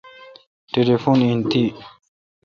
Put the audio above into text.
ٹلیفون این تی ۔